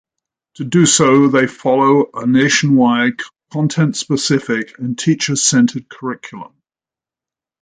To do so, they follow a nationwide, content-specific, and teacher-centered curriculum.